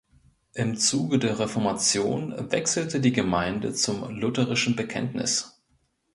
Im Zuge der Reformation wechselte die Gemeinde zum lutherischen Bekenntnis.